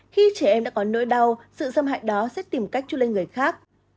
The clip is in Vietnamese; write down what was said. khi trẻ em đã có nỗi đau sự xâm hại đó sẽ tìm cách cho lên người khác